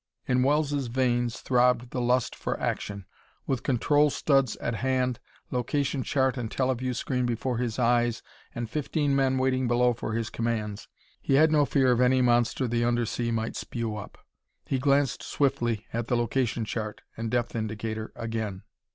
In Wells' veins throbbed the lust for action. With control studs at hand, location chart and teleview screen before his eyes and fifteen men waiting below for his commands, he had no fear of any monster the underseas might spew up. He glanced swiftly at the location chart and depth indicator again.